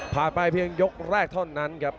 ไปเพียงยกแรกเท่านั้นครับ